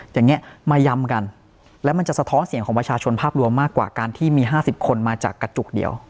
อย่างนี้มาย้ำกันแล้วมันจะสะท้อนเสียงของประชาชนภาพรวมมากกว่าการที่มี๕๐คนมาจากกระจุกเดียว